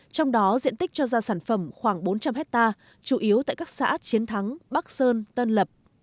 trong đó diện tích cho ra sản phẩm khoảng bốn trăm linh hectare chủ yếu tại các xã chiến thắng bắc sơn tân lập